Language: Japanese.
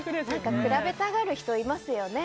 比べたがる人いますよね。